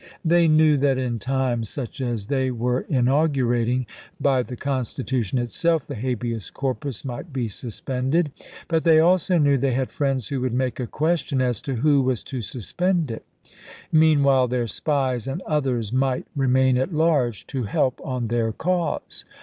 They knew that in times such as they were inaugurating, by the Constitution itself, the " habeas corpus " might be suspended j but they also knew they had friends who would make a question as to who was to suspend it; meanwhile, their spies and others might remain at large to help on their cause.